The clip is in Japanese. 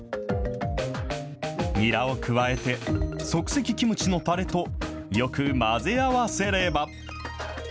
にらを加えて、即席キムチのたれとよく混ぜ合わせれば。